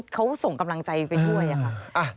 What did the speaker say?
เขาส่งกำลังใจไปด้วยค่ะ